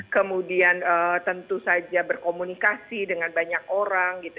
kemudian tentu saja berkomunikasi dengan banyak orang gitu